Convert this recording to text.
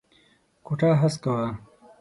کوټه هسکه وه.